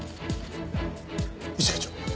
一課長。